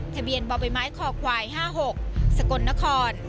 ทะเบียนบ่อใบไม้คอควาย๕๖สกลนคร